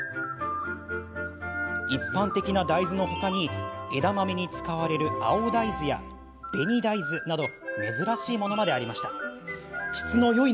一般的な大豆の他に枝豆に使われる青大豆や紅大豆など珍しいものまであります。